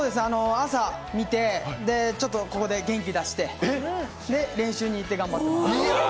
朝、見て、ちょっとここで元気出してそれで練習に行って頑張ってます。